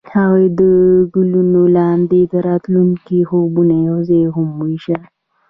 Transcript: هغوی د ګلونه لاندې د راتلونکي خوبونه یوځای هم وویشل.